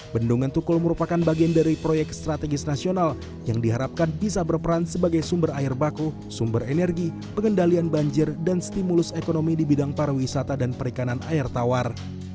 bendungan tukul merupakan bagian dari proyek strategis nasional yang diharapkan bisa berperan sebagai sumber air baku sumber energi pengendalian banjir dan stimulus ekonomi di bidang pariwisata dan perikanan air tawar